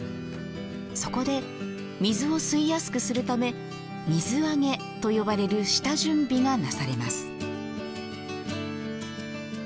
そこで水を吸いやすくするため水揚げと呼ばれる下準備がなされます。